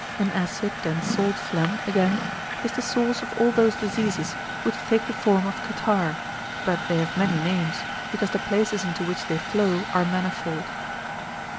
An acid and salt phlegm, again, is the source of all those diseases which take the form of catarrh, but they have many names because the places into which they flow are manifold.